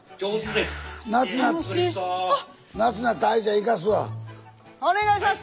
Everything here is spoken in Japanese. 夏お願いします。